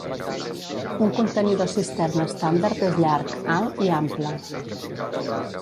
Un contenidor cisterna estàndard és llarg, alt i ample.